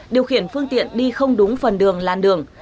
điều khiển phương tiện đi không đúng phần đường làn đường